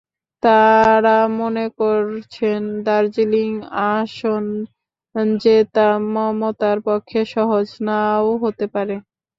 তাঁরা মনে করছেন, দার্জিলিং আসন জেতা মমতার পক্ষে সহজ না-ও হতে পারে।